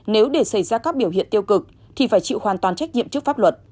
nếu để xảy ra các biểu hiện tiêu cực thì phải chịu hoàn toàn trách nhiệm trước pháp luật